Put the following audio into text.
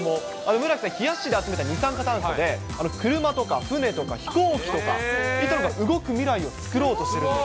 村木さん、ひやっしーで集めた二酸化炭素で、車とか船とか飛行機とか、そういったのが動く未来をつくろうとしているんです。